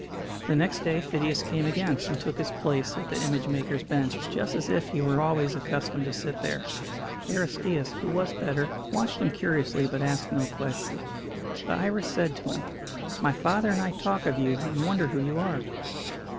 The next day Phidias came again, and took his place at the image maker's bench, just as if he were always accustomed to sit there. Aristćus, who was better, watched him curiously, but asked no questions. But Iris said to him: "My father and I talk of you, and wonder who you are."